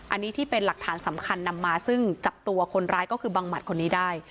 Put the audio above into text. อันนี้ที่เป็นหลักฐานสำคัญนำมาซึ่งจับตัวคนร้ายก็คือบังหมัดคนนี้ได้